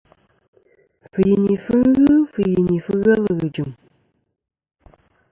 Fɨyinifɨ ghɨ fɨyinìfɨ ghelɨ ghɨ jɨ̀m.